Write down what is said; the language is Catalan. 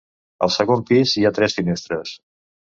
Al segon pis hi ha tres finestres.